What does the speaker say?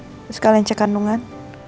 terus kalian cek kandungan